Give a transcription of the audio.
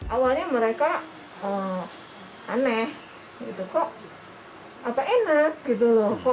awalnya mereka aneh kok enak gitu loh